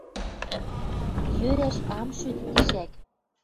Йӧрӓш ам шӱдӹ тишӓк!